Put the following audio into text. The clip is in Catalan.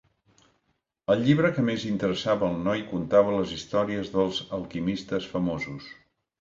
El llibre que més interessava al noi contava les històries dels alquimistes famosos.